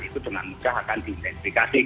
itu dengan mudah akan diidentifikasi